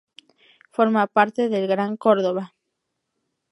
Forma parte del Gran Córdoba.